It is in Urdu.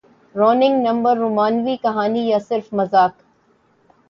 رونگ نمبر رومانوی کہانی یا صرف مذاق